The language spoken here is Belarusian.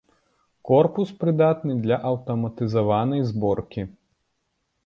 Корпус прыдатны для аўтаматызаванай зборкі.